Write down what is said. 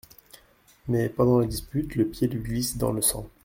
Mais, pendant la dispute, le pied lui glisse dans le sang.